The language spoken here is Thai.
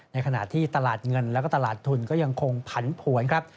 ในขณะที่ตลาดเงินแล้วก็ตลาดทุนก็ยังคงผันผวนครับ